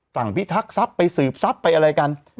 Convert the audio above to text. จังพิทักษ์ทรัพย์ไปสืบทรัพย์ไปอะไรกัน